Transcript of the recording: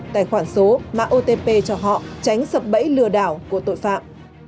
tài khoản số mã otp cho họ tránh sập bẫy lừa đảo của tội phạm